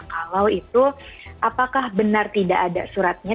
kalau itu apakah benar tidak ada suratnya